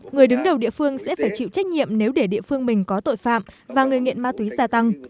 người đứng đầu địa phương sẽ phải chịu trách nhiệm nếu để địa phương mình có tội phạm và người nghiện ma túy gia tăng